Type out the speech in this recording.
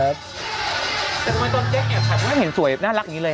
แต่ทำไมตอนเจ๊กเนี่ยฉันไม่เห็นสวยน่ารักอย่างนี้เลย